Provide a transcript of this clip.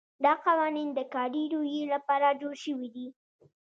دا قوانین د کاري رویې لپاره جوړ شوي دي.